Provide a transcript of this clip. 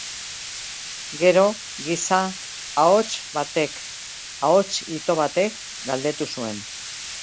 Gero giza ahots batek, ahots ito batek, galdetu zuen: